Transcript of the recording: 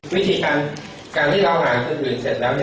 วิธีการที่เราอ่านของคนอื่นเสร็จแล้ว